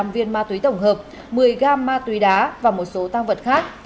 hai trăm một mươi năm viên ma túy tổng hợp một mươi gam ma túy đá và một số tăng vật khác